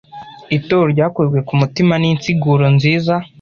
Itorero ryakozwe ku mutima n'insiguro nziza.